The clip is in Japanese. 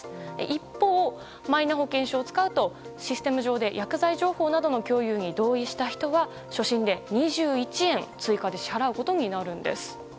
一方、マイナ保険証を使うとシステム上で薬剤情報などの共有に同意した人は初診で２１円追加で支払うことになるんです。